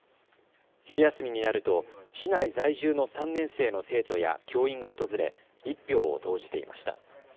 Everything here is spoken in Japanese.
昼休みになると市内在住の３年生の生徒や教員が訪れ１票を投じていました。